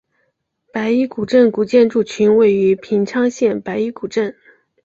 白衣古镇古建筑群位于平昌县白衣古镇。